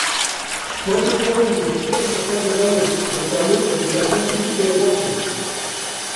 Fue educado en el Instituto Estatal de Donetsk de Salud, Educación Física y Deporte.